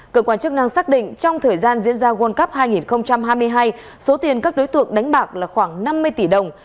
cơ quan chức năng xác định trong thời gian diễn ra world cup hai nghìn hai mươi hai số tiền các đối tượng đánh bạc là khoảng năm mươi tỷ đồng